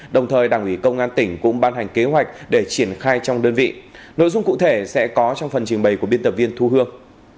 đồng thời đảng ủy công an tỉnh cũng ban hành kế hoạch để triển khai trong đơn vị nội dung cụ thể sẽ có trong phần trình bày của biên tập viên thu hương